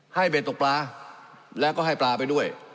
เบ็ดตกปลาแล้วก็ให้ปลาไปด้วย